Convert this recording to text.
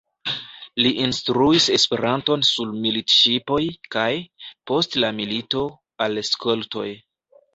Li instruis Esperanton sur militŝipoj kaj, post la milito, al skoltoj.